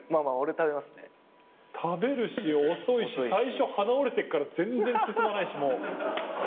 食べるし遅いし最初鼻折れてっから全然進まないしもう。